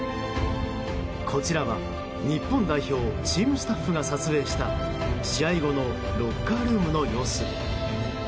こちらは日本代表チームスタッフが撮影した試合後のロッカールームの様子。